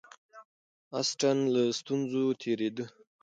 اسټن له ستونزو تېرېده.